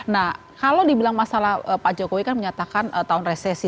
nah kalau dibilang masalah pak jokowi kan menyatakan tahun resesi